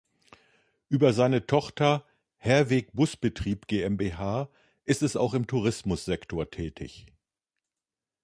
Über seine Tochter Herweg Busbetrieb GmbH ist es auch im Tourismussektor tätig.